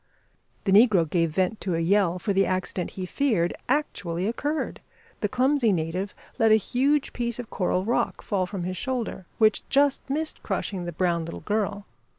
The negro gave vent to a yell, for the accident he feared actually occurred. The clumsy native let a huge piece of coral rock fall from his shoulder, which just missed crushing the brown little girl.